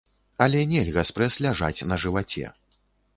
Але нельга спрэс ляжаць на жываце.